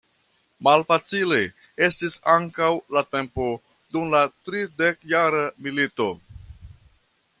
Malfacile estis ankaŭ la tempo dum la Tridekjara milito.